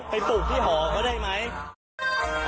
ไปปลุกที่หอก็ได้ไหม